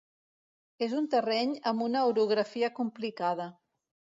És un terreny amb una orografia complicada.